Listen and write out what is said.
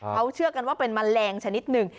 เขาเชื่อกันว่าเป็นแมลงชนิดหนึ่ง